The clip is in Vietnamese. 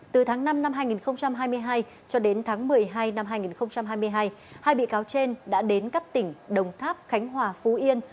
từ tháng năm năm hai nghìn hai mươi hai cho đến tháng một mươi hai năm hai nghìn hai mươi hai hai bị cáo trên đã đến các tỉnh đồng tháp khánh hòa phú yên